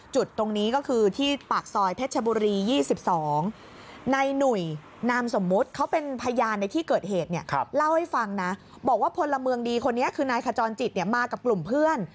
จุดตรงนี้ก็คือที่ปากซอยเพชรบุรี๒๒